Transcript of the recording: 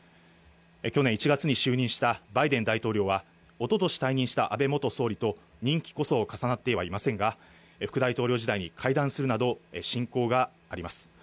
去年１月に就任したバイデン大統領は、おととし退任した安倍元総理と任期こそ重なってはいませんが、副大統領時代に会談するなど、親交があります。